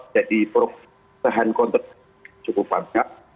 jadi perusahaan konteks cukup panjang